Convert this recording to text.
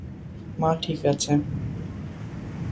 মা ঠিক আছে।